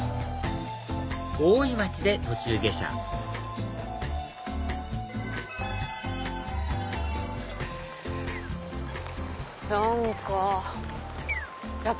大井町で途中下車何か。